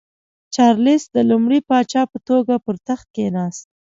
چارلېس د لومړي پاچا په توګه پر تخت کېناست.